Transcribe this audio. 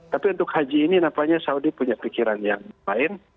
tapi untuk haji ini nampaknya saudi punya pikiran yang lain